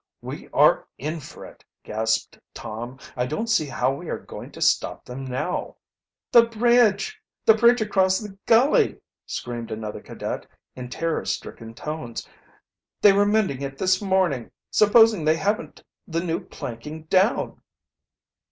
"We are in for it!" gasped Tom. "I don't see how we are going to stop them now." "The bridge! The bridge across the gully!" screamed another cadet, in terror stricken tones. "They were mending it this morning. Supposing they haven't the new planking down?"